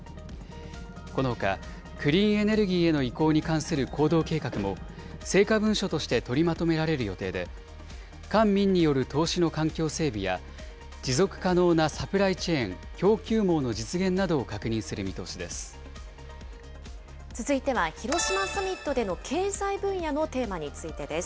このほか、クリーンエネルギーへの移行に関する行動計画も成果文書として取りまとめられる予定で、官民による投資の環境整備や、持続可能なサプライチェーン・供給網の実現などを確認する見通し続いては広島サミットでの経済分野のテーマについてです。